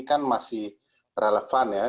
kan masih relevan ya